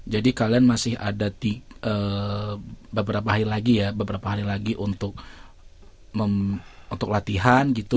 jadi kalian masih ada beberapa hari lagi ya beberapa hari lagi untuk latihan gitu